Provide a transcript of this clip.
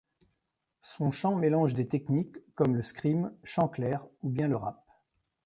Son chant mélange des techniques comme le scream, chant clair ou bien le rap.